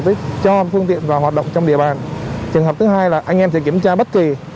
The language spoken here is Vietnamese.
tức cho phương tiện vào hoạt động trong địa bàn trường hợp thứ hai là anh em sẽ kiểm tra bất kỳ